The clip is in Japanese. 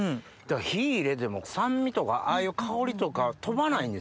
火入れても酸味とかああいう香りとか飛ばないんですね。